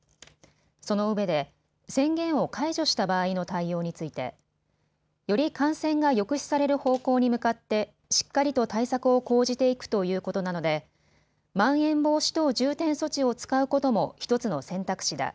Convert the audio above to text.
そのうえで宣言を解除した場合の対応についてより感染が抑止される方向に向かってしっかりと対策を講じていくということなのでまん延防止等重点措置を使うことも１つの選択肢だ。